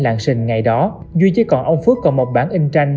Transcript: làng sình ngày đó duy chỉ còn ông phước còn một bản in tranh